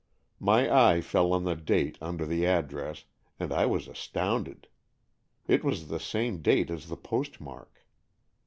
My eye fell on the date under the address, and I was astounded. It was the same date as the postmark.